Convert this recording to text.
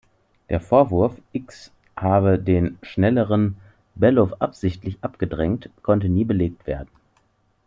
Der Vorwurf, Ickx habe den schnelleren Bellof absichtlich abgedrängt, konnte nie belegt werden.